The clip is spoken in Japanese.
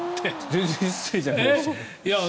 全然失礼じゃないですよ。